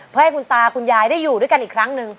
เพื่อให้คุณตาคุณยายได้อยู่ด้วยกันอีกครั้งหนึ่ง